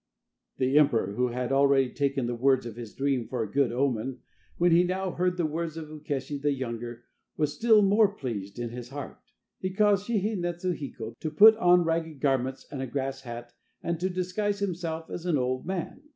The emperor, who had already taken the words of his dream for a good omen, when he now heard the words of Ukeshi the younger, was still more pleased in his heart. He caused Shihi netsu hiko to put on ragged garments and a grass hat and to disguise himself as an old man.